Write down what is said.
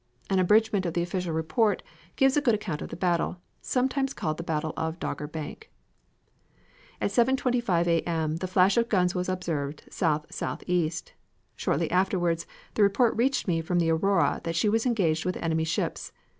An abridgment of the official report gives a good account of the battle, sometimes called the battle of Dogger Bank: "At 7.25 A. M. the flash of guns was observed south southeast; shortly afterwards the report reached me from the Aurora that she was engaged with enemy ships.